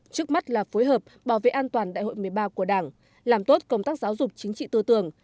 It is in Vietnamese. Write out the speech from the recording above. trước mắt là phối hợp bảo vệ an toàn đại hội một mươi ba của đảng làm tốt công tác giáo dục chính trị tư tưởng